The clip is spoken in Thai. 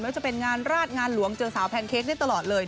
ว่าจะเป็นงานราชงานหลวงเจอสาวแพนเค้กได้ตลอดเลย